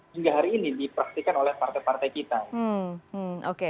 hingga hari ini dipraktikan oleh partai partai kita